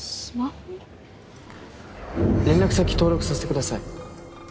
連絡先登録させてください